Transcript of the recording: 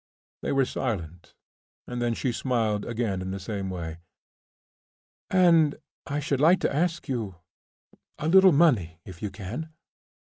They were silent, and then she smiled again in the same way. "And I should like to ask you ... a little money if you can